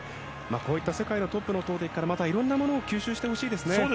こういった世界のトップの投てきからまたいろんなものを吸収してほしいですね。